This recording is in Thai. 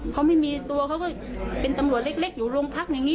เขาไม่มีตัวเขาก็เป็นตำรวจเล็กอยู่โรงพักอย่างนี้